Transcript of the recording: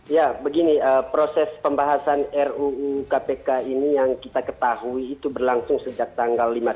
ya begini proses pembahasan ruu kpk ini yang kita ketahui itu berlangsung sejak tanggal lima belas